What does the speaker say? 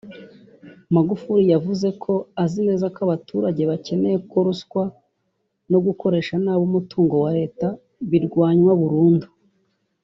Magufuli yavuze ko azi neza ko abaturage bakeneye ko ruswa no gukoresha nabi umutungo wa leta birwanywa burundu